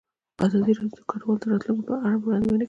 ازادي راډیو د کډوال د راتلونکې په اړه وړاندوینې کړې.